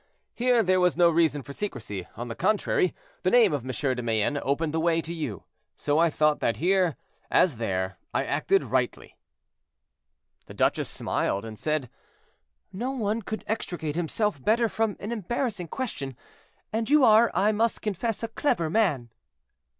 Here there was no reason for secrecy; on the contrary, the name of M. de Mayenne opened the way to you; so I thought that here, as there, I acted rightly." The duchess smiled, and said, "No one could extricate himself better from an embarrassing question: and you are, I must confess, a clever man."